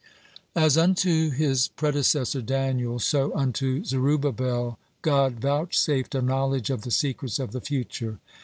(24) As unto his predecessor Daniel, so unto Zerubbabel, God vouchsafed a knowledge of the secrets of the future.